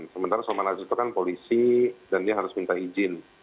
sementara sulman aziz itu kan polisi dan dia harus minta izin